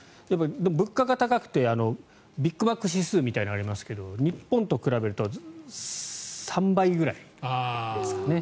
物価が高くてビッグマック指数みたいなのがありますが日本と比べると３倍ぐらいですかね。